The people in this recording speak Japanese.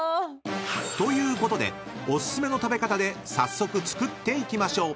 ［ということでお薦めの食べ方で早速作っていきましょう］